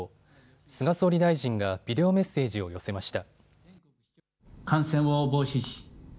菅総理大臣がビデオメッセージを寄せました。